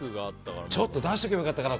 ちょっと出しておけばよかったかな。